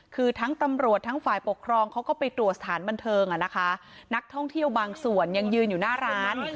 คือทั้งตำรวจทั้งฝ่ายปกครองเขาก็ไปตรวจสถานบันเทิงอ่ะนะคะนักท่องเที่ยวบางส่วนยังยืนอยู่หน้าร้าน